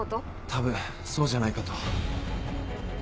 多分そうじゃないかと。